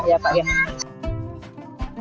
tetap dipertahankan sampai sekarang